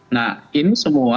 nah ini semua